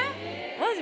マジ？